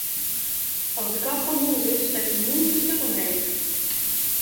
As de kat fan hús is, stekt de mûs de sturt omheech.